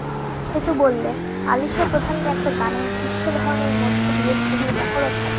সেতু বললেন, আলিশা প্রধানের একটা গানের দৃশ্যধারণের মধ্য দিয়ে ছবির মহরত হবে।